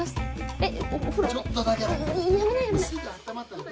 ⁉えっ？